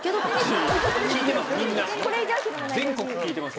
聞いてます